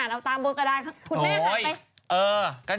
เออ